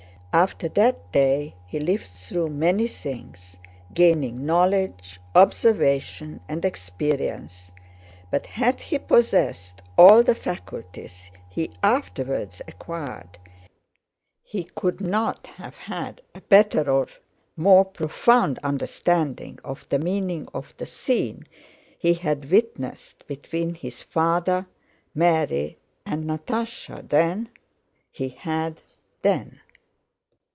After that day he lived through many things, gaining knowledge, observation, and experience, but had he possessed all the faculties he afterwards acquired, he could not have had a better or more profound understanding of the meaning of the scene he had witnessed between his father, Mary, and Natásha, than he had then.